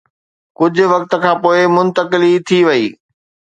ڪجهه وقت کان پوءِ منتقلي ٿي وئي.